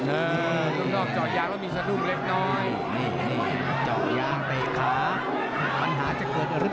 เออทุกทุกจอยยางมีสนุกเล็กน้อย